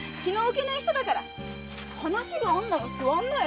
話があるなら座んなよ！